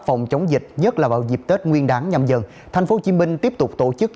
phòng chống dịch nhất là vào dịp tết nguyên đáng nhằm dần thành phố hồ chí minh tiếp tục tổ chức